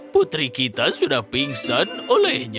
putri kita sudah pingsan olehnya